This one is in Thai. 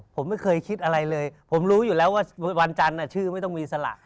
ผมไม่เคยคิดอะไรเลยผมรู้อยู่แล้วว่าวันจันทร์ชื่อไม่ต้องมีสละ